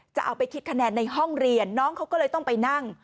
จะเอาไปคิดคะแนนในห้องเรียนน้องเขาก็เลยต้องไปนั่ง